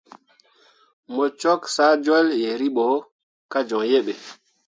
Mu cwak saa jol yeribo ka joŋ yehe.